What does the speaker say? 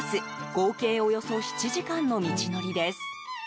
合計およそ７時間の道のりです。